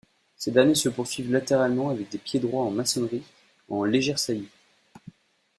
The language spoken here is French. Ces derniers se poursuivent latéralement avec des piédroits en maçonnerie en légère saillie.